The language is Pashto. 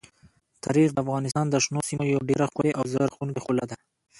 تاریخ د افغانستان د شنو سیمو یوه ډېره ښکلې او زړه راښکونکې ښکلا ده.